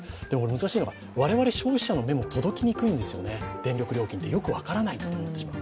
難しいのが、我々消費者の目も届きにくいんですよね、電力料金ってよく分からないなと。